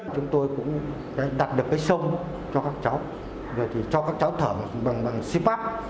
chúng tôi cũng đặt được cái sông cho các cháu rồi thì cho các cháu thở bằng xí bắp